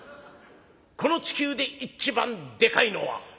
「この地球で一番でかいのは？」。